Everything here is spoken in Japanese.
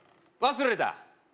忘れた？